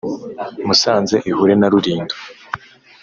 Musanze ihure na Rulindo